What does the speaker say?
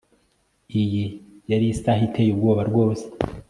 Iyi yari isaha iteye ubwoba rwose